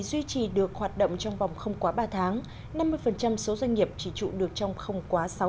duy trì được hoạt động trong vòng không quá ba tháng năm mươi số doanh nghiệp chỉ trụ được trong không quá sáu